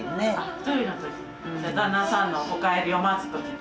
１人の時旦那さんのお帰りを待つ時に？